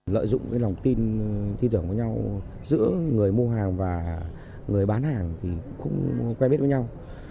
lợi dụng lòng tin thi tưởng của nhau giữa người mua hàng và người bán hàng thì không quen biết với nhau